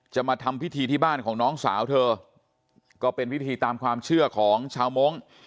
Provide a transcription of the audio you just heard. มาทำพิธีที่บ้านของน้องสาวเธอก็เป็นพิธีตามความเชื่อของชาวมงค์